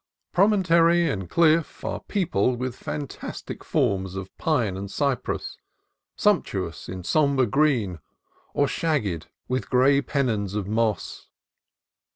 Promontory and cliff are peopled with fantastic forms of pine and cypress, sumptuous in sombre green or shagged with gray pennons of moss.